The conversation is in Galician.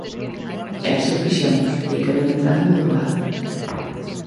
E así o fixemos, deica ben entrada a madrugada.